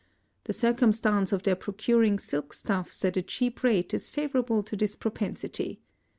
The circumstance of their procuring silk stuffs at a cheap rate is favourable to this propensity.